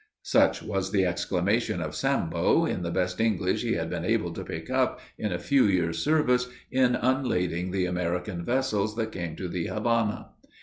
Such was the exclamation of Sambo, in the best English he had been able to pick up, in a few years' service, in unlading the American vessels, that came to the Havana.